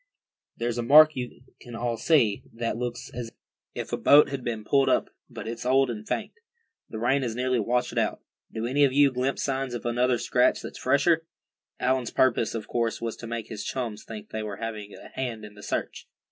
"There's a mark you can all see, that looks as if a boat had been pulled up, but it's old and faint. The rain has nearly washed it out. Do any of you glimpse signs of another scratch that's fresher?" Allan's purpose, of course, was to make his chums think they were having a hand in the search.